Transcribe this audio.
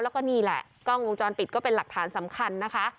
แล้วก็นี่แหละกล้องวงจรปิดก็เป็นหลักฐานสำคัญนะคะ